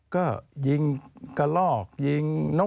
ก็ยิงกระลอกยิงนก